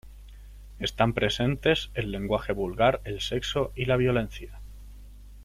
Están presentes el lenguaje vulgar, el sexo y la violencia.